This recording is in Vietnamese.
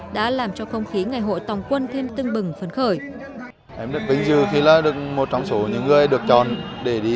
đã làm cho không khí ngày hội tòng quân thêm tưng bừng phấn khởi